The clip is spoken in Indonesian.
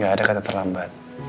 gak ada kata terlambat